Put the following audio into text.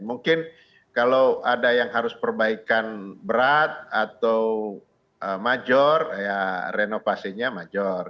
mungkin kalau ada yang harus perbaikan berat atau major ya renovasinya major